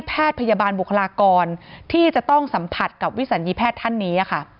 แพทย์พยาบาลบุคลากรที่จะต้องสัมผัสกับวิสัญญีแพทย์ท่านนี้ค่ะ